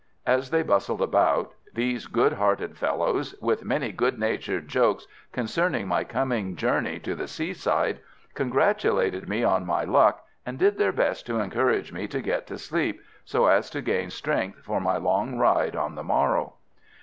As they bustled about, these good hearted fellows, with many good natured jokes concerning my coming journey to the "sea side," congratulated me on my luck, and did their best to encourage me to get to sleep, so as to gain strength for my long ride on the morrow.